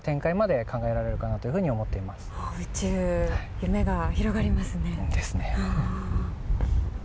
夢が広がりますね。